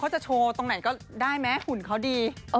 ตรงไหนก็ได้มั้ยหุ่นเขาดี